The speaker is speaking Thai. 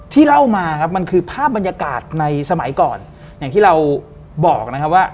เล่ามาครับมันคือภาพบรรยากาศในสมัยก่อนอย่างที่เราบอกนะครับว่า